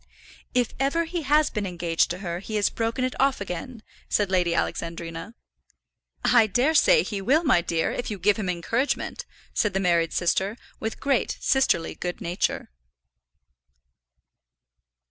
"If ever he has been engaged to her, he has broken it off again," said Lady Alexandrina. "I dare say he will, my dear, if you give him encouragement," said the married sister, with great sisterly good nature.